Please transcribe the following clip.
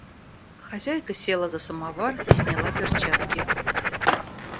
Хозяйка села за самовар и сняла перчатки.